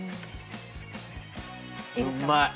うまい。